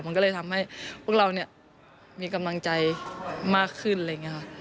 มันก็เลยทำให้พวกเราเนี่ยมีกำลังใจมากขึ้นอะไรอย่างนี้ค่ะ